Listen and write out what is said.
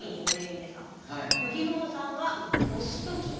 浮雲さんは「押す時に」。